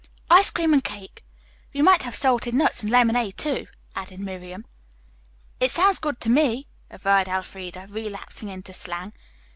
"Ice cream and cake. We might have salted nuts and lemonade, too," added Miriam. "It sounds good to me," averred Elfreda, relapsing into slang.